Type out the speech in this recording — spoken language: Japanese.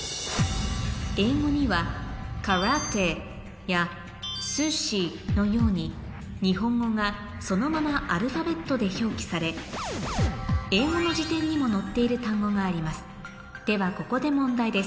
英語にはのように日本語がそのままアルファベットで表記され英語の辞典にも載っている単語がありますではここで問題です